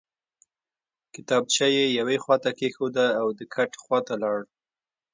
کتابچه یې یوې خواته کېښوده او د کټ خواته لاړ